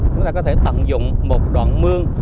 chúng ta có thể tận dụng một đoạn mương